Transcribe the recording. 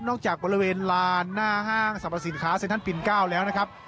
จากบริเวณลานหน้าห้างสรรพสินค้าเซ็นทรัลปิน๙แล้วนะครับ